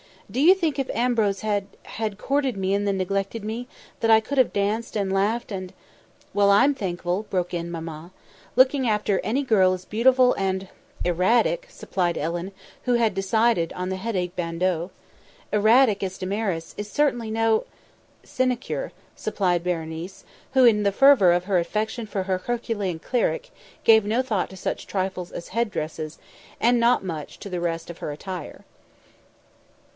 Do you think if Ambrose had had courted me and then neglected me, that I could have danced and laughed and " "Well, I'm thankful," broke in Mamma. "Looking after any girl as beautiful and " "Erratic," supplied Ellen, who had decided on the headache bandeau. " erratic as Damaris, is certainly no " "Sinecure," supplied Berenice, who, in the fervour of her affection for her herculean cleric, gave no thought to such trifles as head dresses, and not much to the rest of her attire.